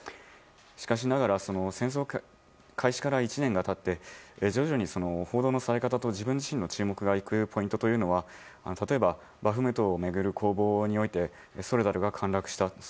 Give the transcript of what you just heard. しかしながら戦争開始から１年が経って徐々に報道のされ方と自分自身の注目のいくポイントというのは、例えばバフムトを巡る攻防についてソルダルは陥落した。